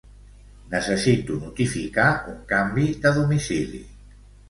Necessito notificar un canvi de domicili.